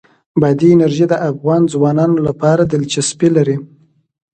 بادي انرژي د افغان ځوانانو لپاره دلچسپي لري.